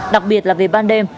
đặc biệt là về ban đêm